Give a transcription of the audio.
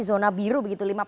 zona biru begitu